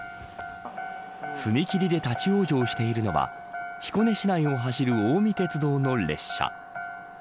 踏切で立ち往生しているのは彦根市内を走る近江鉄道の列車。